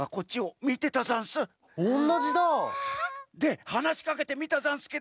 おんなじだ！ではなしかけてみたざんすけど。